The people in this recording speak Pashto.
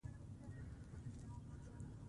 ازادي راډیو د تعلیم په اړه د پېښو رپوټونه ورکړي.